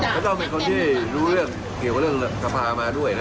ก็ต้องเป็นคนที่รู้เรื่องเกี่ยวกับเรื่องสภามาด้วยนะ